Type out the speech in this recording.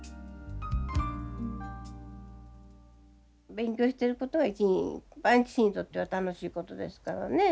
勉強してることは一番父にとっては楽しいことですからね。